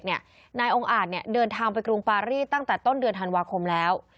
อาหารประเทศฝรั่งเศสเนี่ยนายองค์อาจเนี่ยเดินทางไปกรุงปารีตั้งแต่ต้นเดือนธันวาคมแล้ว